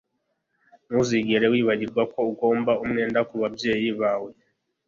Ntuzigere wibagirwa ko ugomba umwenda kubabyeyi bawe